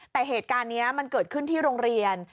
แต่เหตุการณ์นี้มันเกิดขึ้นที่โรงเรียน